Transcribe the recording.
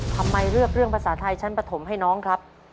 ทำไมเลือกเรื่องภาษาไทยชั้นปฐมให้น้องครับ